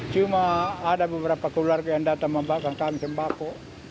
cuma ada beberapa keluarga yang datang membakar kami sembako